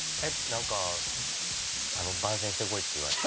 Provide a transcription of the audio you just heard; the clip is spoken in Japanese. なんかあの番宣してこいって言われて。